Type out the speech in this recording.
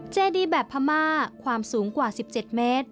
เจดีแบบพม่าความสูงกว่า๑๗เมตร